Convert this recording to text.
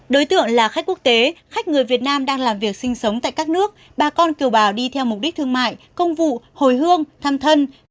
đối tượng là khách quốc tế khách người việt nam đang làm việc sinh sống tại các nước bà con kiều bào đi theo mục đích thương mại công vụ hồi hương thăm thân